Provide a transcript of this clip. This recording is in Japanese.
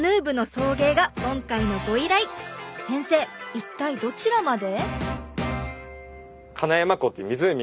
一体どちらまで？